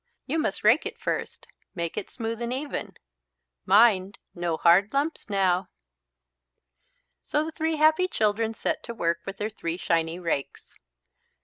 You must rake it first, make it smooth and even. Mind, no hard lumps now!" So the three happy children set to work with their three shiny rakes.